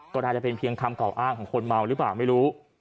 ก็น่าจะเป็นเพียงคำกล่าวอ้างของคนเมาหรือเปล่าไม่รู้